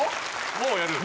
もうやる？